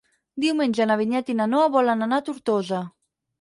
Diumenge na Vinyet i na Noa volen anar a Tortosa.